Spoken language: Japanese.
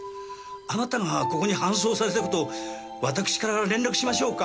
あなたがここに搬送された事を私から連絡しましょうか？